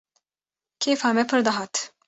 Kêfa me pir dihat